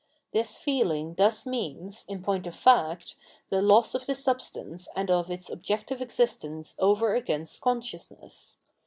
This feehng thus means, in point of fact, the loss of the Substance and of its objective existence over against consciousness.